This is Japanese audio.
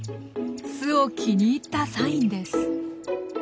巣を気に入ったサインです。